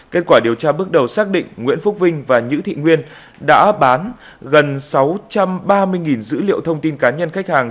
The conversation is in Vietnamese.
kết quả điều tra bước đầu xác định nguyễn phúc vinh và nhữ thị nguyên đã bán gần sáu trăm ba mươi dữ liệu thông tin cá nhân khách hàng